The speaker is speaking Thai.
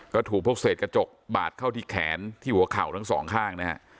ก็ถูกพวกเศษกระจกบาดเข้าที่แขนที่หัวเข่าทั้งสองข้างนะฮะ